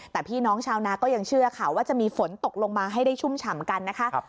แต่พี่น้องชาวนาก็ยังเชื่อค่ะว่าจะมีฝนตกลงมาให้ได้ชุ่มฉ่ำกันนะคะ